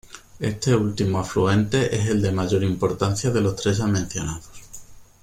Este último afluente es el de mayor importancia de los tres ya mencionados.